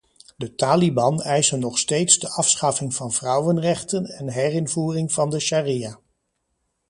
De taliban eisen nog steeds de afschaffing van vrouwenrechten en herinvoering van de sharia.